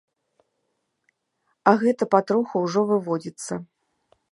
А гэта патроху ўжо выводзіцца.